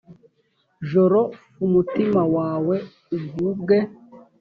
joro f umutima wawe ugubwe